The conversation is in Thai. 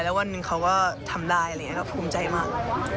แล้ววันหนึ่งเขาก็ทำได้ภูมิใจมาก